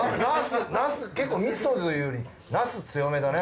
みそというよりナス強めだね。